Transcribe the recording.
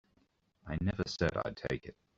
I never said I'd take it.